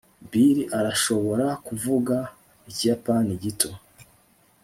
bill arashobora kuvuga ikiyapani gito